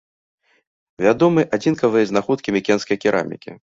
Вядомы адзінкавыя знаходкі мікенскай керамікі.